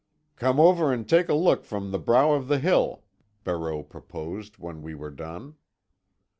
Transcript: "Come over and take a look from the brow of the hill," Barreau proposed, when we were done.